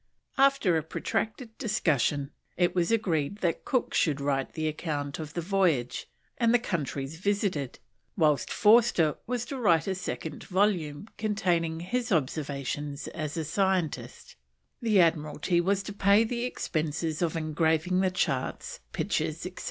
After a protracted discussion, it was agreed that Cook should write the account of the voyage and the countries visited; whilst Forster was to write a second volume containing his observations as a scientist; the Admiralty was to pay the expenses of engraving the charts, pictures, etc.